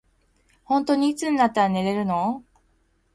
ほんとにいつになったら寝れるの。